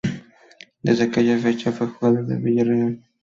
Desde aquella fecha fue jugador del Villarreal.